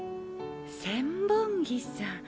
千本木さん